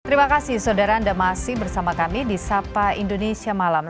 terima kasih saudara anda masih bersama kami di sapa indonesia malam